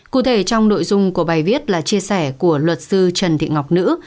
cụ thể trong nội dung của bài viết là chia sẻ của luật sư trần thị ngọc nữ